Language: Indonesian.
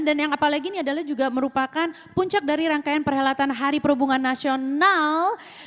dan yang apalagi ini adalah juga merupakan puncak dari rangkaian perhelatan hari perhubungan nasional